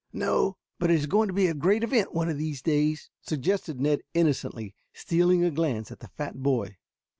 "No, but it is going to be a great event one of these days," suggested Ned innocently, stealing a glance at the fat boy.